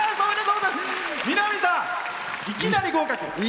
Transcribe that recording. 南さん、いきなり合格。